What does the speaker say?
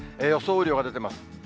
雨量が出てます。